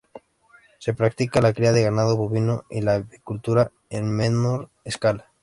Se practica la cría de ganado bovino y la avicultura en menor escala.